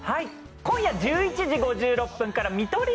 今夜１１時５６分から見取り